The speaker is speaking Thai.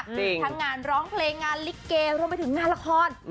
ทั้งงานร้องเพลงงานลิเกรวมไปถึงงานละคร